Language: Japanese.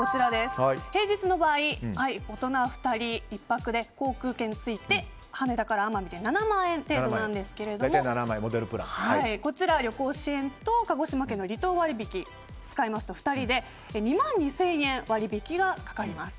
平日の場合大人２人１泊で航空券がついて羽田から奄美まで７万円程度なんですけども旅行支援と鹿児島県の離島割引を使いますと２人で２万２０００円割引がかかります。